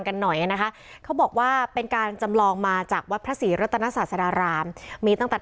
กันหน่อยนะคะเขาบอกว่าเป็นการจำลองมาจากวัดพระศรีรัตนศาสดารามมีตั้งแต่